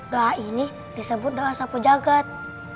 doa ini disebut doa sapu jagad